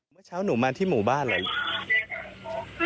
ทั้งพ่อทั้งอะไรอย่างนี้ค่ะ